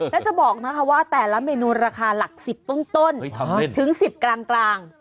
แล้วจะบอกนะคะว่าแต่ละเมนูราคาหลัก๑๐ต้นถึง๑๐กลาง